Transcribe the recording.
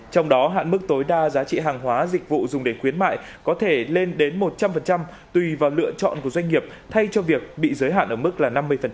trong đó hạn mức tối đa giá trị hàng hóa dịch vụ dùng để khuyến mại có thể lên đến một trăm linh tùy vào lựa chọn của doanh nghiệp thay cho việc bị giới hạn ở mức là năm mươi